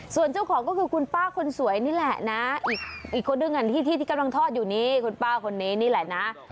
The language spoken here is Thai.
ส่วนเจ้าของก็คือคุณป้าคนสวยนี่แหละนะอีกคนหนึ่งที่กำลังทอดอยู่นี่คุณป้าคนนี้นี่แหละนะ